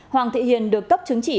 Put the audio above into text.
hoàng thị hiền được cấp chứng chỉ